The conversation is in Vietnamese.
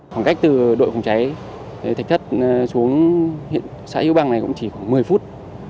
khoảng cách từ đội phòng cháy thạch thất xuống xã hiếu băng này cũng chỉ khoảng một mươi phút